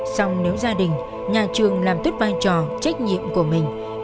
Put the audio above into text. xong nếu gia đình nhà trường làm tuyết vai trò trách nhiệm của mình